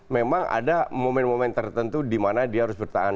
memang ada momen momen tertentu di mana dia harus bertahan